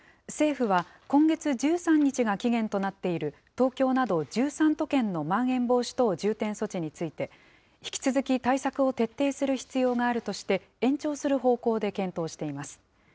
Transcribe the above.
政府は、今月１３日が期限となっている東京など１３都県のまん延防止等重点措置について、引き続き対策を徹底する必要があるとして、延長する方向で検討しています。